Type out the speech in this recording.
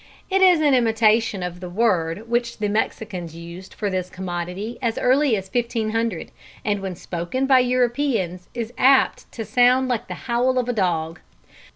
It is an imitation of the word which the Mexicans used for this commodity as early as 1500, and when spoken by Europeans is apt to sound like the howl of a dog.